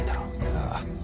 ああ。